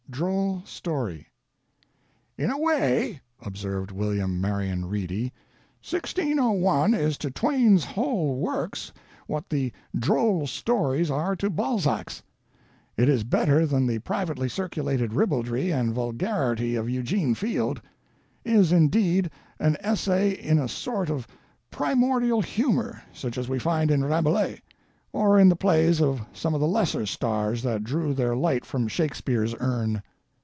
DROLL STORY "In a way," observed William Marion Reedy, "1601 is to Twain's whole works what the 'Droll Stories' are to Balzac's. It is better than the privately circulated ribaldry and vulgarity of Eugene Field; is, indeed, an essay in a sort of primordial humor such as we find in Rabelais, or in the plays of some of the lesser stars that drew their light from Shakespeare's urn.